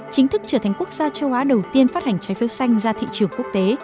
chính thức trở thành quốc gia châu á đầu tiên phát hành trái phiếu xanh ra thị trường quốc tế